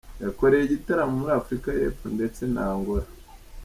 Yakoreye igitaramo muri Afurika y’Epfo ndetse na Angola.